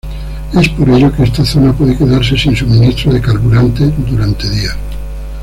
Es por ello que esta zona puede quedarse sin suministro de carburantes durante días.